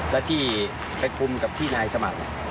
และที่ไปคุมกับที่นายสมัคร